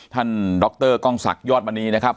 ท่านดรกองศักย์ยอดมณีนะครับ